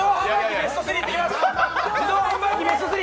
ベスト３やってきます！